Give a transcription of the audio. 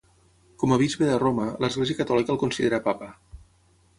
Com a bisbe de Roma, l'Església Catòlica el considera papa.